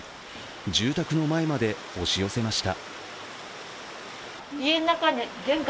住宅の前まで押し寄せました。